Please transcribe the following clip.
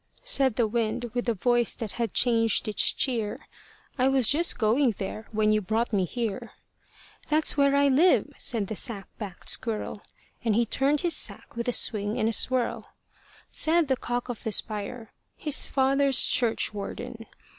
Said the wind with a voice that had changed its cheer, "I was just going there, when you brought me here." "That's where I live," said the sack backed squirrel, And he turned his sack with a swing and a swirl. Said the cock of the spire, "His father's churchwarden."